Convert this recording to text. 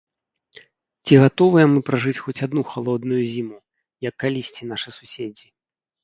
Ці гатовыя мы пражыць хоць адну халодную зіму, як калісьці нашы суседзі?